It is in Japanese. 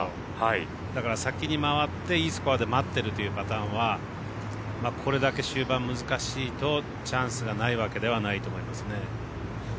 だから先に回っていいスコアで待ってるというパターンはこれだけ終盤、難しいとチャンスがないわけではないと思います。